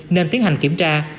nên tiến hành kiểm tra